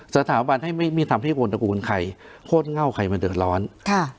สถาบันให้ไม่มีทำให้คนตระกูลใครโคตรเง่าใครมาเดือดร้อน